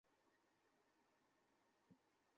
ওখানে কী কথা হচ্ছে?